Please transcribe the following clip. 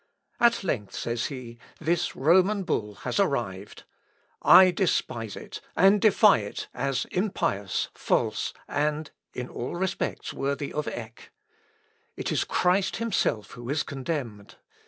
"At length," says he, "this Roman bull has arrived. I despise it, and defy it as impious, false, and in all respects worthy of Eck. It is Christ himself who is condemned.